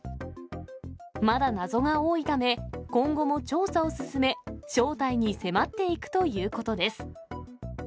まだ謎が多いため、今後も調査を進め、正体に迫っていくということです。